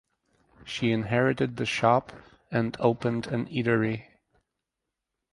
She inherited the shop and opened an eatery.